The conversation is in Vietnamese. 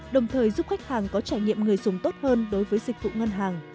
đồng thời giúp khách hàng có trải nghiệm người dùng tốt hơn đối với dịch vụ ngân hàng